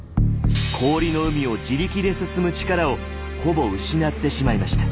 氷の海を自力で進む力をほぼ失ってしまいました。